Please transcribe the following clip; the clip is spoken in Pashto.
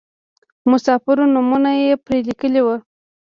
د مسافرو نومونه یې پرې لیکلي وو.